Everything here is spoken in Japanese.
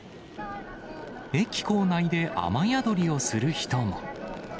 駅構内で雨宿りをする人も。